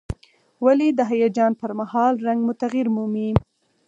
ولې د هیجان پر مهال رنګ مو تغییر مومي؟